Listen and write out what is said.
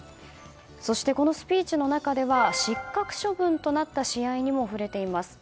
そして、このスピーチの中では失格処分となった試合にも触れています。